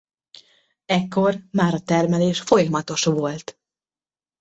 Ekkor már a termelés folyamatos volt.